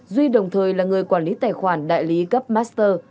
duy đồng thời là người quản lý tài khoản đại lý cấp master